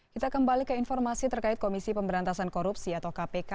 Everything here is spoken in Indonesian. kita kembali ke informasi terkait komisi pemberantasan korupsi atau kpk